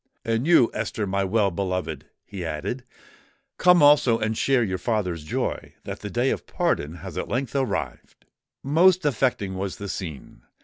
"And you, Esther, my well beloved," he added, "come also and share your father's joy that the day of pardon has at length arrived!" Most affecting was the scene.